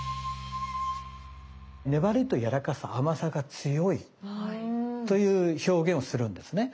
粘りとやわらかさ甘さが強いという表現をするんですね。